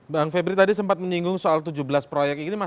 bang febri tadi sempat menyinggung soal tujuh belas proyek ini